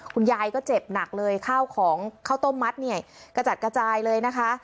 คุณยายก็เจ็บหนักเลยข้าวของข้าวต้มมัดเนี่ยกระจัดกระจายเลยนะคะ